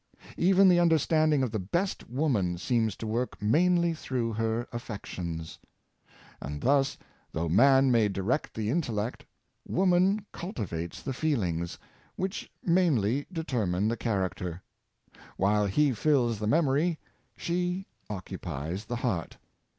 Even the understanding of the best woman seems to work mainly through her affections. And thus, though man may direct the in tellect, woman cultivates the ffeelings, which mainly determine the character. While he fills the memory, she occupies the heart.